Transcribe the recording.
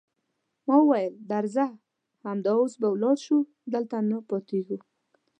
ما وویل: درځه، همدا اوس به ولاړ شو، دلته نه پاتېږو.